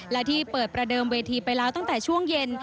และที่เปิดประเดิมเวทีไปแล้วตั้งแต่ช่วงเย็น